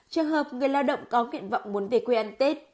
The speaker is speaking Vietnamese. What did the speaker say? trường hợp người lao động có nguyện vọng muốn về quê ăn tết